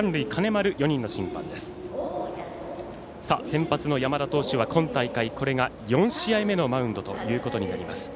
先発の山田投手は今大会これが４試合目のマウンドということになります。